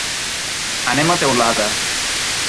Anem a Teulada.